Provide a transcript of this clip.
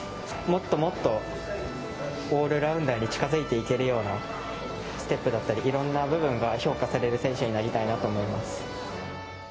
もっともっとオールラウンダーに近づいていけるような、ステップだったり、いろんな部分が評価される選手になりたいなと思います。